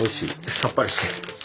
さっぱりして。